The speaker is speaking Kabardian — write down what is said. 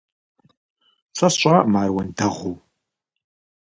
Сэ сщӀакъым ар уэндэгъуу.